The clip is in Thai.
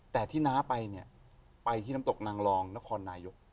แต่ที่น้าไปเนี่ยไปที่น้ำตกนางรองนครนายก